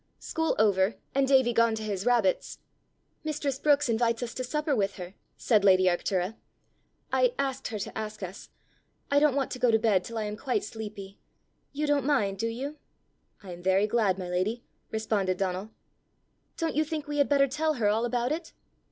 School over, and Davie gone to his rabbits. "Mistress Brookes invites us to supper with her," said lady Arctura. "I asked her to ask us. I don't want to go to bed till I am quite sleepy. You don't mind, do you?" "I am very glad, my lady," responded Donal. "Don't you think we had better tell her all about it?"